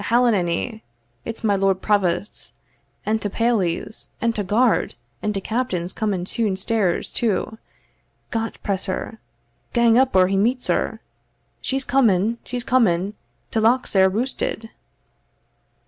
Ahellanay! it's my lord provosts, and ta pailies, and ta guard and ta captain's coming toon stairs too Got press her! gang up or he meets her. She's coming she's coming ta lock's sair roosted."